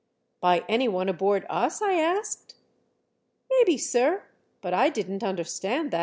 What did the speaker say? By anyone aboard us ?" I asked. " Mebbe, sir, but I didn't understand that."